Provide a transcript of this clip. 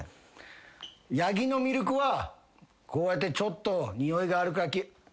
ヤギのミルクはこうやってちょっとにおいがあるから。